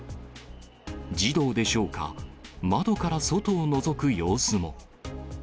児童でしょうか、窓から外をのぞく様子も。